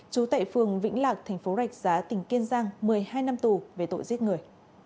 trú tại phường vĩnh lạc thành phố rạch giá tỉnh kiên giang một mươi hai năm tù về tội giết người